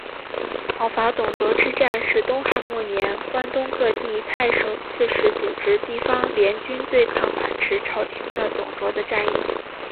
讨伐董卓之战是东汉末年关东各地太守刺史组织地方联军对抗把持朝廷的董卓的战役。